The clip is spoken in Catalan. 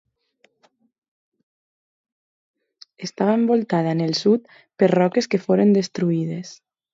Estava envoltada en el sud per roques que foren destruïdes.